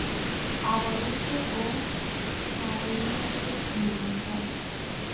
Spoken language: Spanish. Agua dulce o salobre demersal.